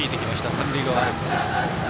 三塁側アルプス。